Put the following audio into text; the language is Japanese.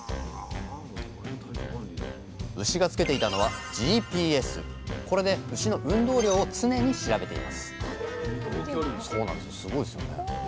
牛が付けていたのはこれで牛の運動量を常に調べていますえ